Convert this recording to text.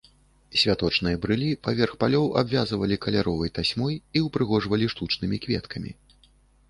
Святочныя брылі паверх палёў абвязвалі каляровай тасьмой і ўпрыгожвалі штучнымі кветкамі.